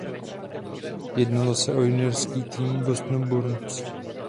Jednalo se o juniorský tým Bostonu Bruins.